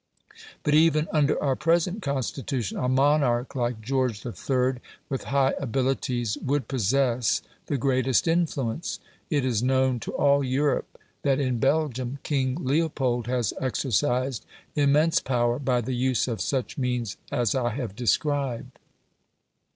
But even under our present Constitution a monarch like George III., with high abilities, would possess the greatest influence. It is known to all Europe that in Belgium King Leopold has exercised immense power by the use of such means as I have described.